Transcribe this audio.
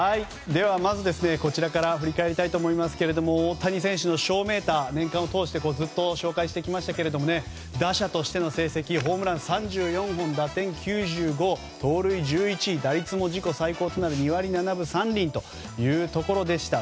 ではまず、こちらから振り返りたいと思いますけれども大谷選手のＳＨＯ‐ＭＥＴＥＲ年間を通してずっと紹介してきましたが打者としての成績はホームラン３４本、打点９５盗塁、１１打率も自己最高となる２割７分３厘というところでした。